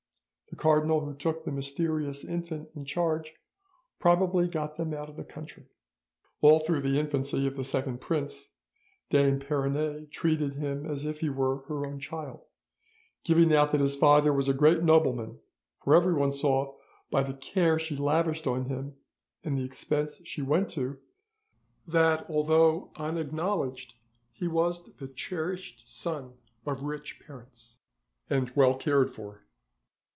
The cardinal who took the mysterious infant in charge probably got them out of the country. "'All through the infancy of the second prince Dame Peronete treated him as if he were her own child, giving out that his father was a great nobleman; for everyone saw by the care she lavished on him and the expense she went to, that although unacknowledged he was the cherished son of rich parents, and well cared for.